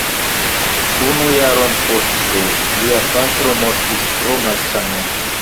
Unu jaron poste, lia patro mortis pro malsano.